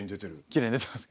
きれいに出てますか？